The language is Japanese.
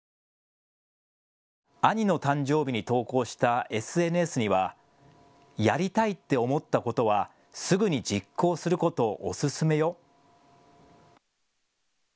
兄の誕生日に投稿したＳＮＳにはやりたいって思ったことはすぐに実行すること、おすすめよ。